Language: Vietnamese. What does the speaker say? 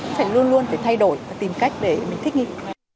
cũng phải luôn luôn phải thay đổi và tìm cách để mình thích nghiệp